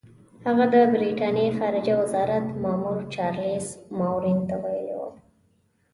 هغه د برټانیې خارجه وزارت مامور چارلس ماروین ته ویلي وو.